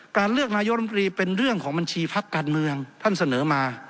การเลือกนายกรรมตรีเป็นเรื่องของบัญชีพักการเมืองท่านเสนอมา